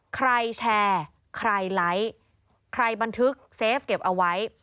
ใครแชร์ใครไลค์ใครบันทึกเซฟเก็บเอาไว้